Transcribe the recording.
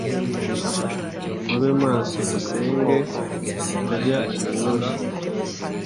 Mube maso musenge mutajya mu moshya